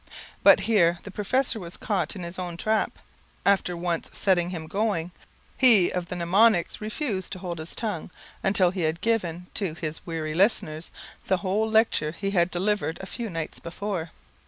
But here the professor was caught in his own trap. After once setting him going, he of the mnemonics refused to hold his tongue until he had given, to his weary listeners, the whole lecture he had delivered a few nights before.